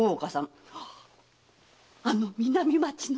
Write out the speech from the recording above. あの南町の？